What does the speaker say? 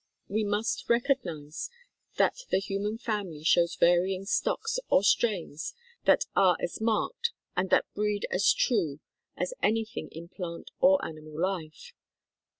We must recognize that the human family shows varying stocks or strains that are as marked and that breed as true as anything in plant or animal life.